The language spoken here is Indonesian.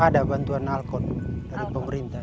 ada bantuan alkot dari pemerintah